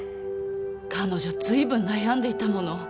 彼女随分悩んでいたもの。